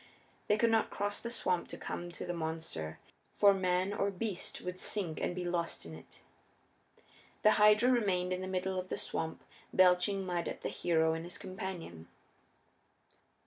They could not cross the swamp to come to the monster, for man or beast would sink and be lost in it. The Hydra remained in the middle of the swamp belching mud at the hero and his companion.